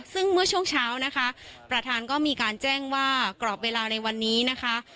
ซึ่งเมื่อช่วงเช้านะคะประธานก็มีการแจ้งว่ากรอบเวลาในวันนี้นะคะ